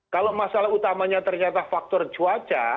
kalau masalah utamanya ternyata faktor cuaca